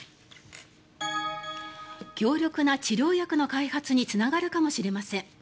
強力な治療薬の開発につながるかもしれません。